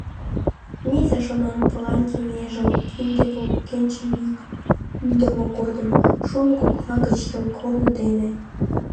Мийыза шонанпылан кеҥежым, кинде волгенче лӱҥгымӧ годым, шурно кокла гыч йолгорно дене.